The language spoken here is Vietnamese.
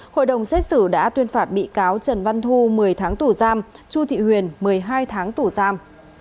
hội đồng xét xử đã tuyên phạt bị cáo trần văn thu một mươi tháng tù giam chu thị huyền một mươi hai tháng tù giam